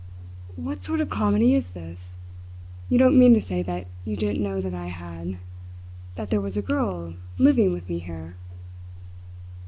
"What sort of comedy is this? You don't mean to say that you didn't know that I had that there was a girl living with me here?"